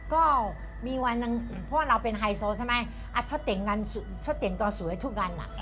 ก็มีวันหนึ่งเพราะเราเป็นไฮโซใช่ไหมชัดเต่นกันชัดเต่นตัวสวยทุกกัน